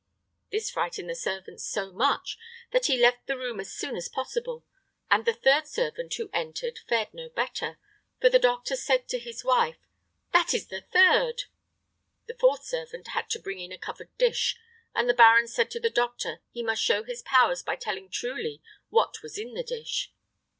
This frightened the servant so much that he left the room as soon as possible; and the third servant who entered fared no better, for the doctor said to his wife, "That is the third!" The fourth servant had to bring in a covered dish, and the baron said to the doctor he must show his powers by telling truly what was in the dish.